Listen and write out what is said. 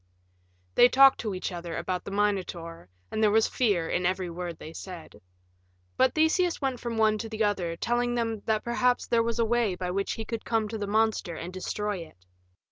They talked to each other about the Minotaur, and there was fear in every word they said. But Theseus went from one to the other, telling them that perhaps there was a way by which he could come to the monster and destroy it.